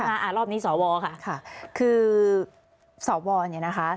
อ่ารอบนี้สวค่ะค่ะคือสวเนี่ยนะคะ